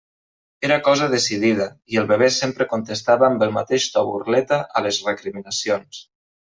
Era cosa decidida, i el bebè sempre contestava amb el mateix to burleta a les recriminacions.